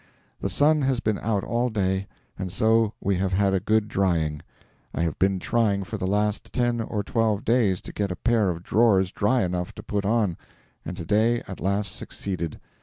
The sun has been out all day, and so we have had a good drying. I have been trying for the last ten or twelve days to get a pair of drawers dry enough to put on, and to day at last succeeded.